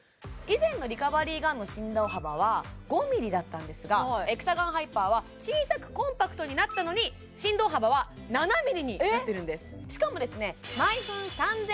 以前のリカバリーガンの振動幅は５ｍｍだったんですがエクサガンハイパーは小さくコンパクトになったのに振動幅は７ｍｍになってるんですしかもですね